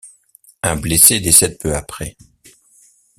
Un blessé décède peu après.